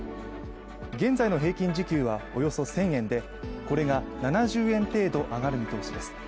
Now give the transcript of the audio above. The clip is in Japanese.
現在の平均時給はおよそ１０００円でこれが７０円程度上がる見通しです。